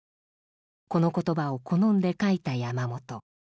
この言葉を好んで書いた山本。